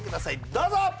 どうぞ！